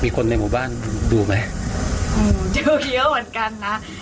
คนในหมู่บ้านดูไหมอืมเที่ยวเยอะเหมือนกันนะ